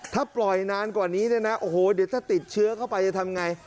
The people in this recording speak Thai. ถ้าปล่อยนานกว่านี้เนี่ยนะโอ้โหเดี๋ยวถ้าติดเชื้อเข้าไปจะทำไง